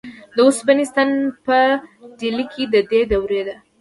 د اوسپنې ستن په ډیلي کې د دې دورې ده.